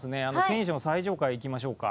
天守の最上階いきましょうか。